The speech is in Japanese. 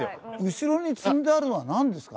後ろに積んであるのはなんですか？